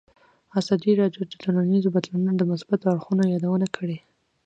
ازادي راډیو د ټولنیز بدلون د مثبتو اړخونو یادونه کړې.